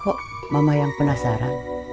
kok mama yang penasaran